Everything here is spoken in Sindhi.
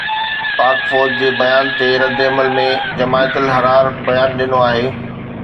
پاڪ فوج جي بيان تي ردعمل ۾ جماعت الحرار بيان ڏنو آهي